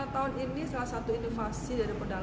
tahun ini salah satu inovasi dari pendalaman